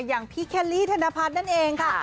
อย่างพี่เคลลี่ธนพัฒน์นั่นเองค่ะ